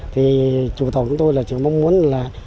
thì chủ tổng của tôi chỉ mong muốn là